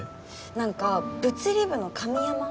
何か物理部の神山の